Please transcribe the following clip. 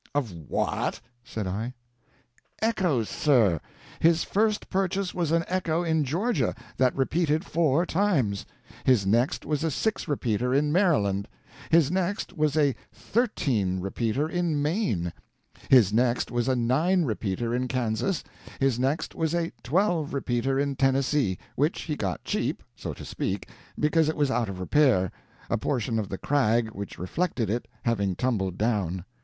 "Of what?" said I. Echoes, sir. His first purchase was an echo in Georgia that repeated four times; his next was a six repeater in Maryland; his next was a thirteen repeater in Maine; his next was a nine repeater in Kansas; his next was a twelve repeater in Tennessee, which he got cheap, so to speak, because it was out of repair, a portion of the crag which reflected it having tumbled down.